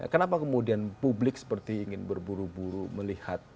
kenapa kemudian publik seperti ingin berburu buru melihat